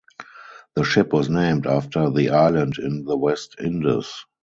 The ship was named after the island in the West Indes.